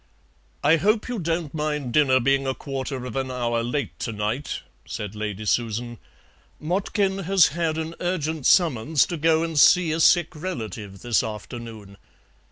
"I hope you don't mind dinner being a quarter of an hour late to night," said Lady Susan; "Motkin has had an urgent summons to go and see a sick relative this afternoon.